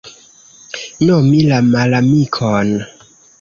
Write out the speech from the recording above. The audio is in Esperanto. Nomi la malamikon.